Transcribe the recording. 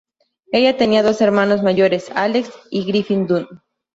Ella tenía dos hermanos mayores, Alex y Griffin Dunne.